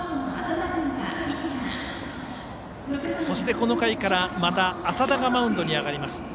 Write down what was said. そして、この回からまた麻田がマウンドに上がります。